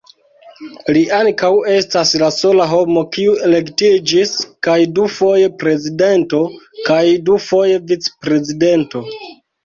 Li ankaŭ estas la sola homo, kiu elektiĝis kaj dufoje prezidento, kaj dufoje vic-prezidento.